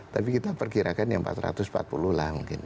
tapi kita perkirakan yang empat ratus empat puluh lah mungkin